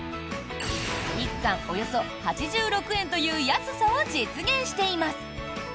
１缶およそ８６円という安さを実現しています。